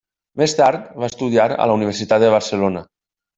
Més tard va estudiar a la Universitat de Barcelona.